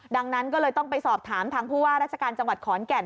ดังนั้นก็เลยต้องไปสอบถามทางผู้ว่าราชการจังหวัดขอนแก่น